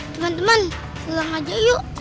temen temen pulang aja yuk